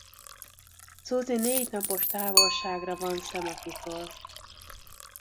Susi négy napos távolságra van Semakhitól.